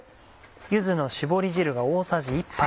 柚子の絞り汁が大さじ１杯。